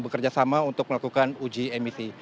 dan ini juga sama untuk melakukan uji emisi